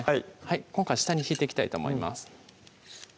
はい今回下にひいていきたいと思います